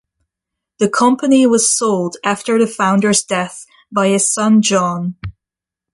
The company was sold after the founder's death by his son John.